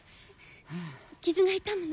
傷が痛むの？